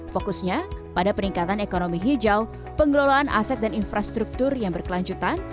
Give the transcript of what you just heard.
fokusnya pada peningkatan ekonomi hijau pengelolaan aset dan infrastruktur yang berkelanjutan